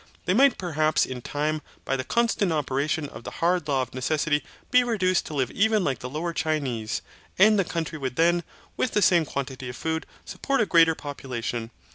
They might perhaps in time, by the constant operation of the hard law of necessity, be reduced to live even like the Lower Chinese, and the country would then, with the same quantity of food, support a greater population.